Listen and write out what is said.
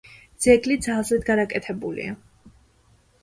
ძეგლი ძალზედ გადაკეთებულია.